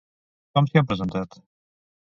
Com s'hi han presentat?